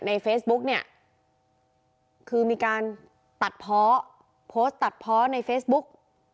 เฟซบุ๊กเนี่ยคือมีการตัดเพาะโพสต์ตัดเพาะในเฟซบุ๊ก